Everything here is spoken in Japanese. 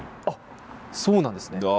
あっそうなんですね。